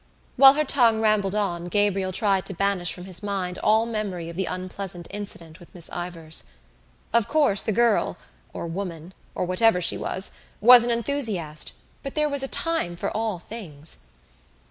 While her tongue rambled on Gabriel tried to banish from his mind all memory of the unpleasant incident with Miss Ivors. Of course the girl or woman, or whatever she was, was an enthusiast but there was a time for all things.